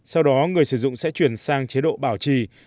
sau đó người sử dụng sẽ chuyển sang chế độ bảo trì